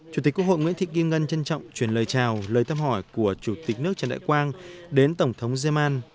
chủ tịch quốc hội nguyễn thị kim ngân trân trọng truyền lời chào lời thăm hỏi của chủ tịch nước trần đại quang đến tổng thống zeman